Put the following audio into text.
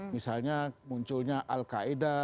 misalnya munculnya al qaeda